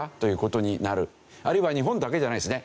あるいは日本だけじゃないですね。